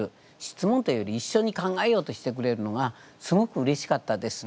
質問というより一緒に考えようとしてくれるのがすごくうれしかったです。